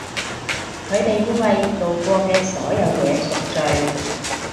佢哋要為做過嘅所有嘢贖罪！